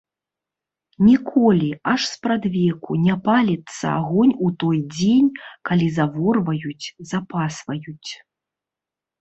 Ніколі, аж спрадвеку, не паліцца агонь у той дзень, калі заворваюць, запасваюць.